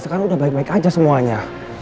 sekarang udah baik baik aja semuanya